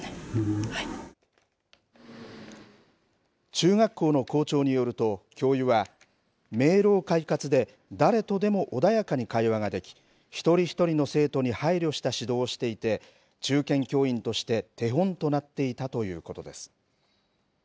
中学校の校長によると教諭は明朗快活で誰とでも穏やかに会話ができ一人一人の生徒に配慮した指導をしていて中堅教員として手本となっていたということです。